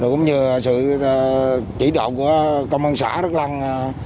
cũng như sự chỉ đoạn của công an xã đức lân